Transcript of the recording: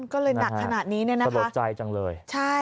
ก็เลยหนักขนาดนี้สะดดใจจังเลย